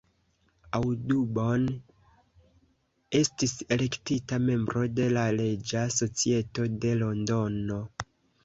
Audubon estis elektita membro de la Reĝa Societo de Londono.